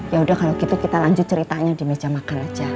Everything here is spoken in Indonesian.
ya udah kalau gitu kita lanjut ceritanya di meja makan aja